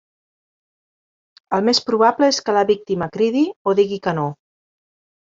El més probable és que la víctima cridi o digui que no.